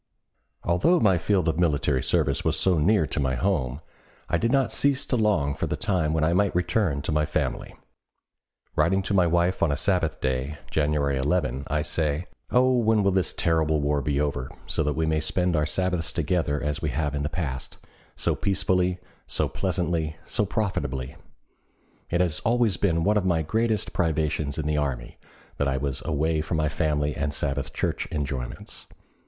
Although my field of military service was so near to my home, I did not cease to long for the time when I might return to my family. Writing to my wife on a Sabbath day, January 11, I say: "Oh, when will this terrible war be over, so that we may spend our Sabbaths together as we have in the past, so peacefully, so pleasantly, so profitably? It has always been one of my greatest privations in the army that I was away from my family and Sabbath Church enjoyments.